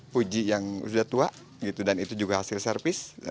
puji yang sudah tua dan itu juga hasil servis